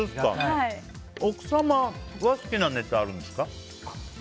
奥様は好きなネタあるんですか？